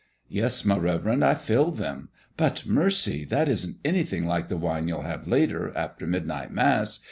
"Yes, my reverend, I filled them; but mercy! that isn't anything like the wine you'll have later, after midnight Mass.